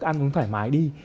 ăn cũng thoải mái đi